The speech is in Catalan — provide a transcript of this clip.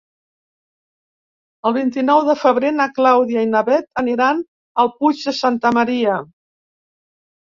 El vint-i-nou de febrer na Clàudia i na Bet aniran al Puig de Santa Maria.